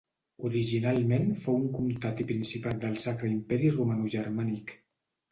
Originalment fou un comtat i principat del Sacre Imperi Romanogermànic.